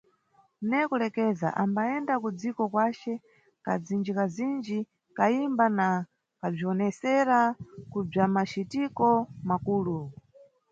Ne kulekeza, ambayenda kudziko kwace kazindjikazindji kayimba na kabzwiwonesera kubzwamacitiko makulu.